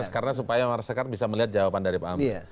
karena supaya mas romi bisa melihat jawaban dari pak amri